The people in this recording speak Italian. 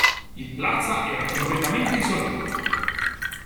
Il Plaza era completamente isolato.